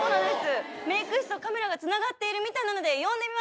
メイク室とカメラがつながっているみたいなので呼んでみましょう。